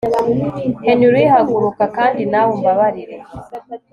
Henry haguruka kandi nawe umbabarire